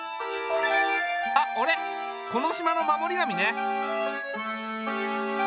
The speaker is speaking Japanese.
あっ俺この島の守り神ね。